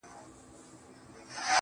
• زما د ميني ليونيه، ستا خبر نه راځي.